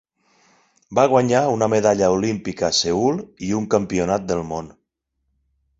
Va guanyar una medalla olímpica a Seül, i un Campionat del món.